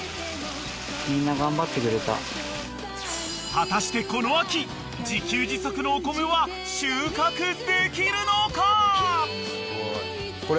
［果たしてこの秋自給自足のお米は収穫できるのか］